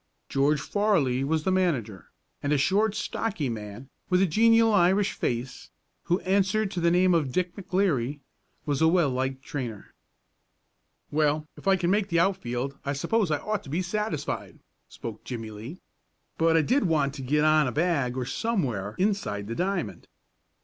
George Farley was the manager, and a short stocky man, with a genial Irish face, who answered to the name of Dick McLeary, was the well liked trainer. "Well, if I can make the outfield I suppose I ought to be satisfied," spoke Jimmie Lee. "But I did want to get on a bag, or somewhere inside the diamond."